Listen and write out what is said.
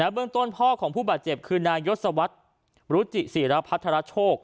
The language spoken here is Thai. เบื้องต้นพ่อของผู้บาดเจ็บคือนายศวรรษรุจิศิรพัทรโชค